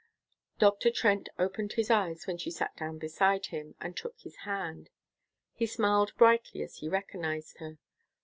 Dr. Trent opened his eyes when she sat down beside him, and took his hand. He smiled brightly as he recognized her.